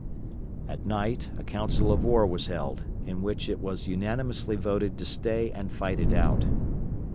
At night a council of war was held, in which it was unanimously voted to stay and fight it out.